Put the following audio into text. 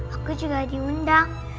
aku juga diundang